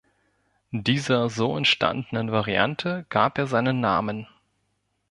Dieser so entstandenen Variante gab er seinen Namen.